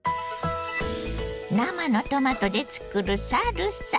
生のトマトで作るサルサ。